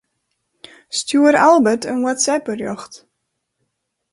Stjoer Albert in WhatsApp-berjocht.